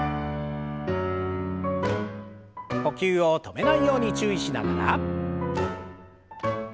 呼吸を止めないように注意しながら。